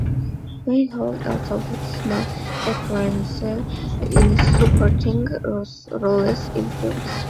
Weinhold also had small appearances in supporting roles in films.